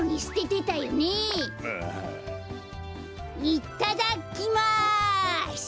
いっただっきます！